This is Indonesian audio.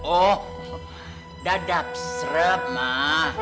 oh dadap serap mah